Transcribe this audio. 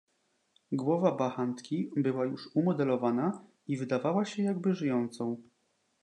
"Głowa bachantki była już umodelowana i wydawała się jakby żyjącą."